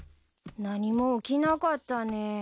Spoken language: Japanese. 何も起きなかったね。